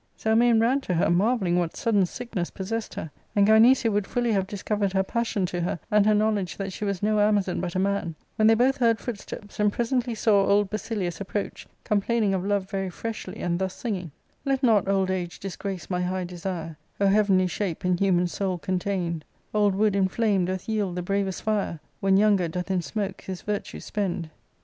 Zelmane ran to her, marvelling what sudden sickness possessed her; and Gynecia would fully have discovered her passion to her, and her knowledge that she was no Amazon, but a man, when they both heard footsteps, and presently saw old Basilius approach, complaining of love very freshly, and thus singing :,/" Let not old age disgrace my high desire, / O heavenly shape, in human soul contained :^ Old wood inflam'd doth )rield the bravest fire, f When younger doth in smoke his virtue spend.